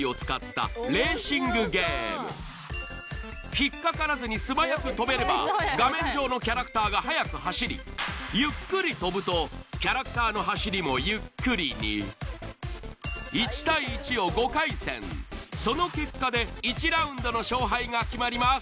引っかからずに素早く跳べれば画面上のキャラクターが速く走りゆっくり跳ぶとキャラクターの走りもゆっくりにその結果で１ラウンドの勝敗が決まります